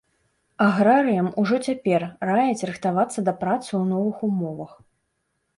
Аграрыям ужо цяпер раяць рыхтавацца да працы ў новых умовах.